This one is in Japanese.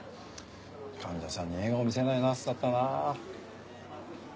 患者さんに笑顔見せないナースだったなあ。